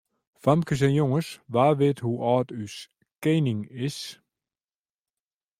Famkes en jonges, wa wit hoe âld as ús kening is?